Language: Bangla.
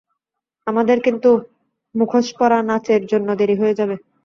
আমাদের কিন্তু মুখোশ পরা নাচের জন্য দেরি হয়ে যাবে।